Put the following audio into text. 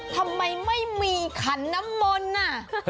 ทำไมไม่มีขันน้ำมนต์น่ะ